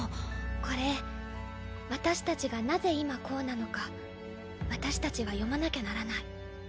これ私たちがなぜ今こうなのか私たちは読まなきゃならない。